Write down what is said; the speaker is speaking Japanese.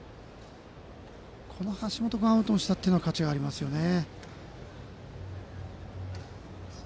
この橋本君をアウトにしたのは価値がありますね。